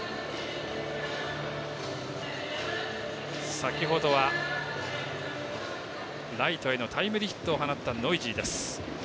先ほどはライトへのタイムリーヒットを放ったノイジーです。